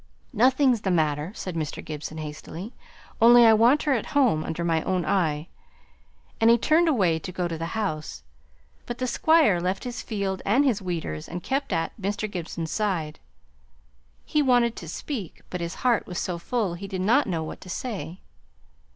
"Nothing's the matter," said Mr. Gibson, hastily. "Only I want her at home, under my own eye;" and he turned away to go to the house. But the Squire left his field and his weeders, and kept at Mr. Gibson's side. He wanted to speak, but his heart was so full he did not know what to say.